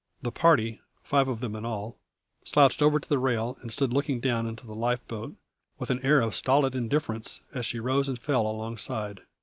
The party, five of them in all, slouched over to the rail and stood looking down into the life boat with an air of stolid indifference, as she rose and fell alongside.